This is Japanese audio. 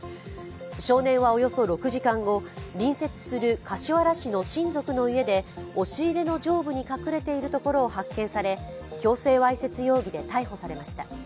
少年はおよそ６時間後、隣接する柏原市の親族の家で押し入れの上部に隠れているところを発見され、強制わいせつ容疑で逮捕されました。